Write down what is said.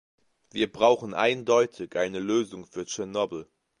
Wir brauchen eindeutig eine Lösung für Tschernobyl.